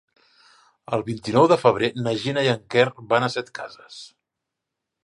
El vint-i-nou de febrer na Gina i en Quer van a Setcases.